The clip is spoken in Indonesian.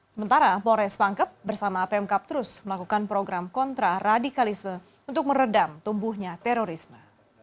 sementara polres pangkep bersama pmk terus melakukan program kontra radikalisme untuk meredam tumbuhnya terorisme